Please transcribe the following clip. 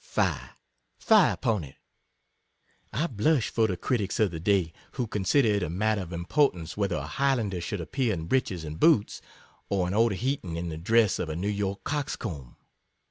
Fie! fie upon it! I blush for the critics of the day, who consider it a matter of importance whether a Highlander should appear in breeches and boots, or an Otaheitan in the dress of a New York cox comb.